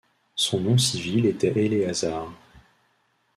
Son nom civil était Éléazar.